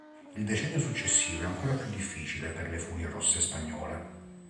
Il decennio successivo è ancora più difficile per le furie rosse spagnole.